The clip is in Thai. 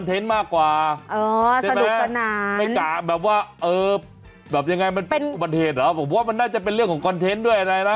ถ้าโดนหมาไล่นี้ทำตัวไม่ถูกนะ